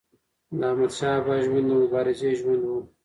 احمدشاه بابا د ژوند د مبارزې ژوند و.